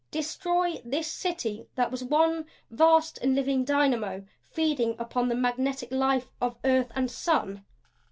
Destroy this City that was one vast and living dynamo feeding upon the magnetic life of earth and sun!